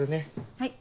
はい。